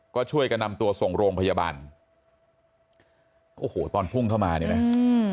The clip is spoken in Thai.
ก็ช่วยกันนำตัวส่งโรงพยาบาลโอ้โหตอนพุ่งเข้ามาเนี่ยนะอืม